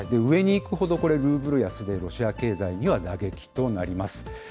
上にいくほど、これルーブル安で、ロシア経済には打撃となります。